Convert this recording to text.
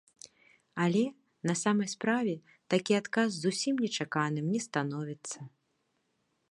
Але на самай справе такі адказ зусім нечаканым не становіцца.